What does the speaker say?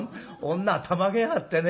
女はたまげやがってね